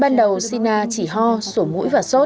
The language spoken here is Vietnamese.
ban đầu sina chỉ ho sổ mũi và sốt